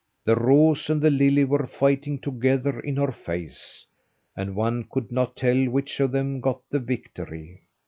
The rose and the lily were fighting together in her face, and one could not tell which of them got the victory.